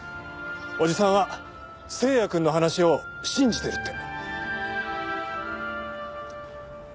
おじさんは星也くんの話を信じてるって。